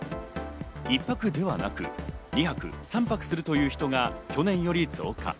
１泊ではなくに２泊、３泊するという人が去年より増加。